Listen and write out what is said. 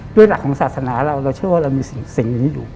หลักของศาสนาเราเราเชื่อว่าเรามีสิ่งนี้อยู่